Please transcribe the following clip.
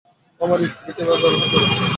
আমার স্ত্রীকে এভাবে ব্যবহার করে?